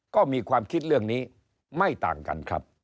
ก็มีความคิดเรื่องนี้ไม่ต่างกันครับ